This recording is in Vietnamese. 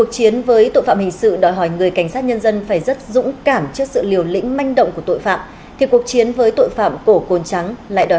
cảm ơn các bạn đã theo dõi